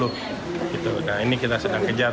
nah ini kita sedang kejar